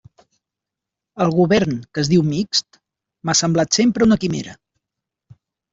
El govern que es diu mixt m'ha semblat sempre una quimera.